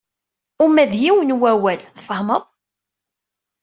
Uma d yiwen wawal, tfehmeḍ?